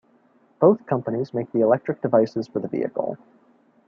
Both companies make the electric devices for the vehicles.